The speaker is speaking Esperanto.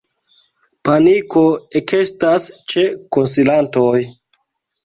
Paniko ekestas ĉe konsilantoj.